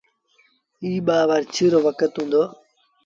ايٚ ٻآ هزآر ڇه رو وکت هُݩدو۔